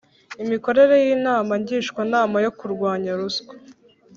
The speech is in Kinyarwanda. Imikorere y’inama ngishwanama yo kurwanya Ruswa